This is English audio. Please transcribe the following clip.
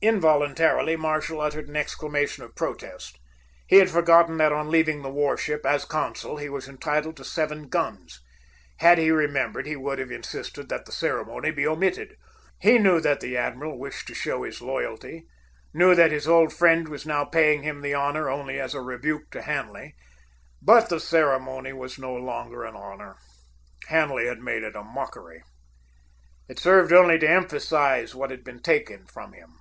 Involuntarily, Marshall uttered an exclamation of protest. He had forgotten that on leaving the war ship, as consul, he was entitled to seven guns. Had he remembered, he would have insisted that the ceremony be omitted. He knew that the admiral wished to show his loyalty, knew that his old friend was now paying him this honor only as a rebuke to Hanley. But the ceremony was no longer an honor. Hanley had made of it a mockery. It served only to emphasize what had been taken from him.